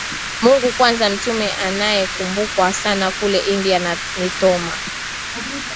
Mungu kwanza Mtume anayekumbukwa sana kule India ni Thoma